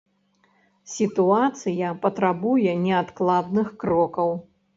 Сітуацыя патрабуе неадкладных крокаў.